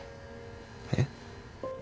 えっ？